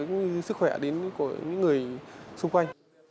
đến sức khỏe của những người xung quanh